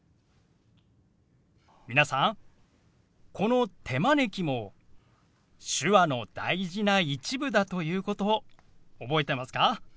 皆さんこの「手招き」も手話の大事な一部だということ覚えてますか？